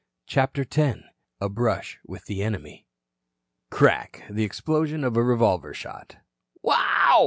CHAPTER X A BRUSH WITH THE ENEMY "Crack." The explosion of a revolver shot. "Wow."